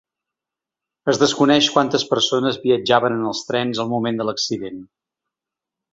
Es desconeix quantes persones viatjaven en els trens al moment de l’accident.